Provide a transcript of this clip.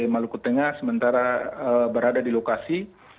maluku tengah sementara berada di lokasi